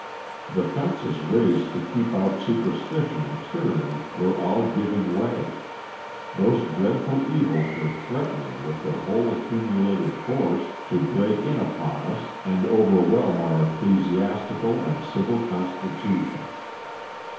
The fences raised to keep out superstition and tyranny were all giving way; those dreadful evils were threatening, with their whole accumulated force, to break in upon us and overwhelm our ecclesiastical and civil constitutions.